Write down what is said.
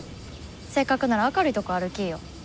せっかくなら明るいとこ歩きーよ。